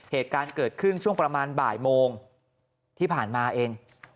เหตุการณ์เกิดขึ้นช่วงประมาณบ่ายโมงที่ผ่านมาเอง